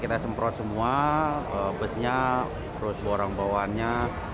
kita semprot semua busnya terus barang bawaannya